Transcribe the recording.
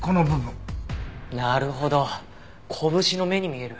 なるほど拳の眼に見える。